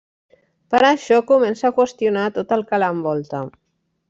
Per això, comença a qüestionar tot el que l'envolta.